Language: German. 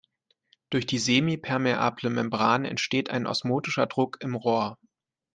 Durch die semipermeable Membran entsteht ein osmotischer Druck im Rohr.